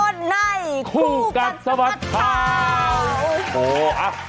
ในคู่กันสะบัดข่าว